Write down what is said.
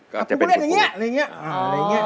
กูเล่นอย่างเงี้ย